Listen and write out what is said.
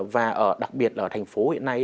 và đặc biệt là ở thành phố hiện nay